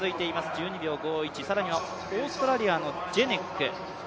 １２秒５１更にはオーストラリアのジェネック